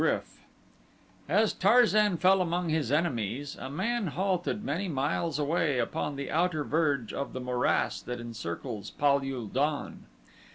5 In the Kor ul GRYF As Tarzan fell among his enemies a man halted many miles away upon the outer verge of the morass that encircles Pal ul don.